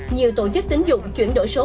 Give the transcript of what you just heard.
nhiều tổ chức tính dụng chuyển đổi số